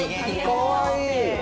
かわいい。